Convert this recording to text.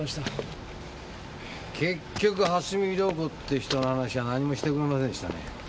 結局蓮見遼子って人の話は何にもしてくれませんでしたね。